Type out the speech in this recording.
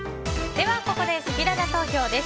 ここでせきらら投票です。